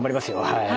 はい。